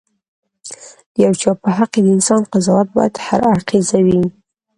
د یو چا په حق د انسان قضاوت باید هراړخيزه وي.